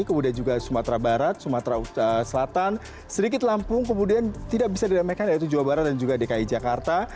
kemudian juga sumatera barat sumatera selatan sedikit lampung kemudian tidak bisa diramaikan yaitu jawa barat dan juga dki jakarta